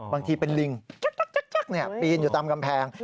บางทีเป็นลิงปีนอยู่ตามกำแพง